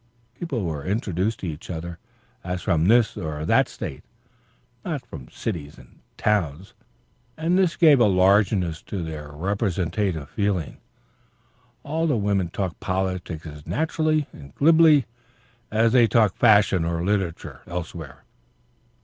People were introduced to each other as from this or that state, not from cities or towns, and this gave a largeness to their representative feeling. All the women talked politics as naturally and glibly as they talk fashion or literature elsewhere.